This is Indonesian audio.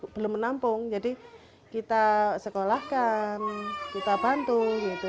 belum menampung jadi kita sekolahkan kita bantu gitu